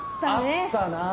あったな。